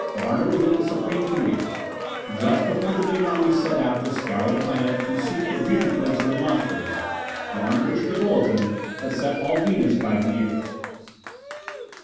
Larner was in supreme command. Just before the big army set out to scour the planet to seek the breeding place of the monsters Larner issued a bulletin that set all Venus by the ears.